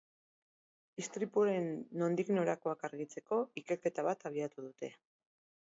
Istripuaren nondik norakoak argitzeko ikerketa bat abiatu dute.